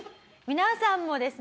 皆さんもですね